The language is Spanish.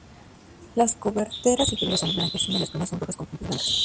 Las coberteras inferiores son blanquecina y las plumas son rojas con puntas blancas.